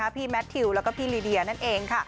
แมททิวแล้วก็พี่ลีเดียนั่นเองค่ะ